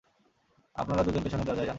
আপনারা দুজন পেছনের দরজায় যান।